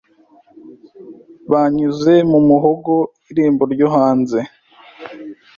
Banyuze mu muhogo irembo ryo hanze